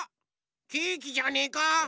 ケーキじゃねえか？